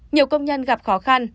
nhiều công nhân gặp khó khăn